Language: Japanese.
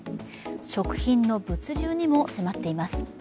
食品の物流にも迫っています。